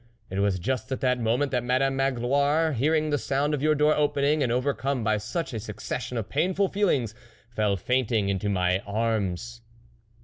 It was just at that moment that Madame Magloire, hearing the sound of your door opening, and overcome by such a succession of painful feelings, fell faint ing into my arms."